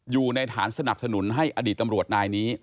อยู่ในฐานสนับสนุนให้อดีตตำรวจนายนี้